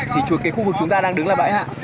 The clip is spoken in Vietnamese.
thì chủ kế khu vực chúng ta đang đứng là bãi hạ